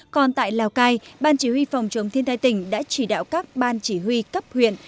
còn tại lào cai ban chỉ huy phòng chống thiên tai tỉnh đã chỉ đạo các ban chỉ huy cấp huyện